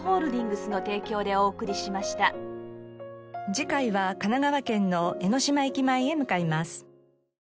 次回は神奈川県の江ノ島駅前へ向かいます。